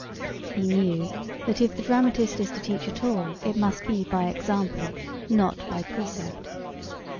He knew that if the dramatist is to teach at all it must be by example, not by precept.